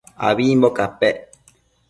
abimbo capec